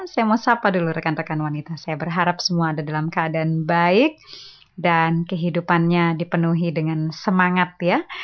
saya mau sapa dulu rekan rekan wanita saya berharap semua ada dalam keadaan baik dan kehidupannya dipenuhi dengan semangat ya